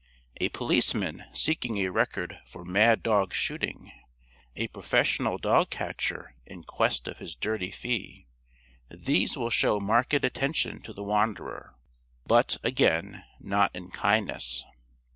A policeman seeking a record for "mad dog" shooting a professional dog catcher in quest of his dirty fee these will show marked attention to the wanderer. But, again, not in kindness.